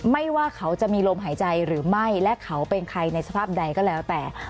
ไม่ว่าเขาจะมีลมหายใจหรือไม่และเขาเป็นใครในสภาพใดก็แล้วแต่